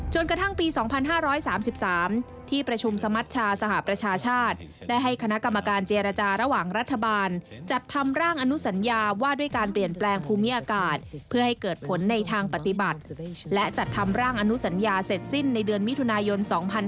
กระทั่งปี๒๕๓๓ที่ประชุมสมัชชาสหประชาชาติได้ให้คณะกรรมการเจรจาระหว่างรัฐบาลจัดทำร่างอนุสัญญาว่าด้วยการเปลี่ยนแปลงภูมิอากาศเพื่อให้เกิดผลในทางปฏิบัติและจัดทำร่างอนุสัญญาเสร็จสิ้นในเดือนมิถุนายน๒๕๕๙